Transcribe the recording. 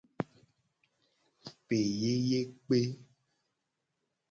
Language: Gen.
Peyeyekpe.